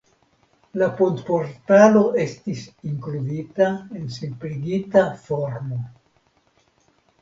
La pontportalo estis inkludita en simpligita formo.